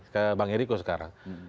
ke bang ericko sekarang